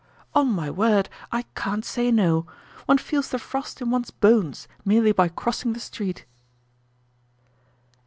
"On my word, I can't say no. One feels the frost in one's bones merely by crossing the street."